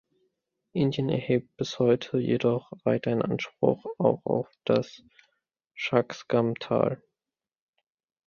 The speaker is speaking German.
Indien erhebt bis heute jedoch weiterhin Anspruch auch auf das Shaksgam-Tal.